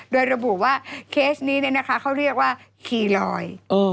โดยระบุว่าเคสนี้เขาเรียกว่าคีย์ลอย